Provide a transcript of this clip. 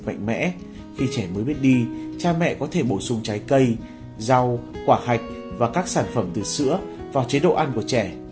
bệnh khi trẻ mới biết đi cha mẹ có thể bổ sung trái cây rau quả hạch và các sản phẩm từ sữa vào chế độ ăn của trẻ